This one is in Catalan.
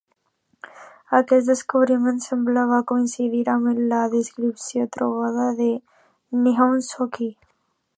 Aquest descobriment semblava coincidir amb la descripció trobada al "Nihon Shoki".